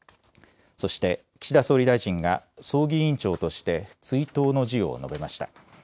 そして岸田総理大臣が、葬儀委員長として追悼の辞を述べました。